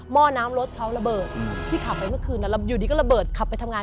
้อน้ำรถเขาระเบิดที่ขับไปเมื่อคืนแล้วอยู่ดีก็ระเบิดขับไปทำงาน